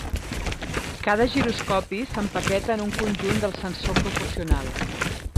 Cada giroscopi s'empaqueta en un conjunt del sensor proporcional.